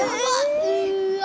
うわ！